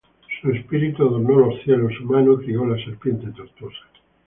Su espíritu adornó los cielos; Su mano crió la serpiente tortuosa.